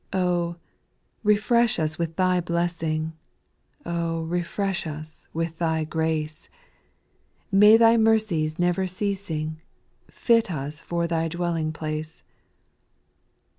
Oh I refresh us with Thy blessing, Oh 1 refresh us .with Thy grace, May Thy mercies never ceasing, Fit us for Thy dwelling place.